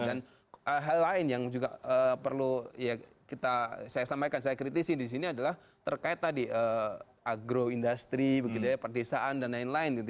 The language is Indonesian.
dan hal lain yang juga perlu saya sampaikan saya kritisi disini adalah terkait tadi agro industri perdesaan dan lain lain